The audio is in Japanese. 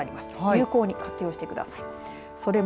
有効に活用してください。